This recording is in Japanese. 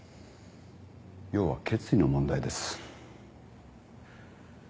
要は決意の問題です。